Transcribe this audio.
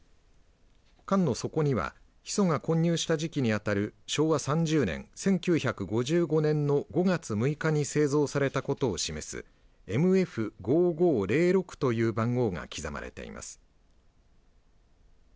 缶の底にはヒ素が混入した時期にあたる昭和３０年１９５５年の５月６日に製造されたことを示すＭＦ５５０６という番号が刻まれています。